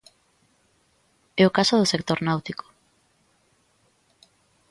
É o caso do sector náutico.